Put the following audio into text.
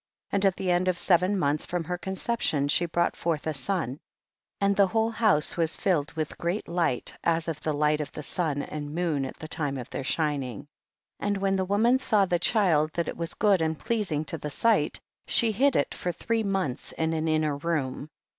4. And at the end of seven months from her conception she brought forth a son, and the whole house was filled with great light as of the light of the sun and moon at the time of their shining. 5. And when the woman saw the child that it was good and pleasing to the sight, she hid it for three months in an inner room.